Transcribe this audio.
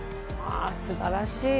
あすばらしい。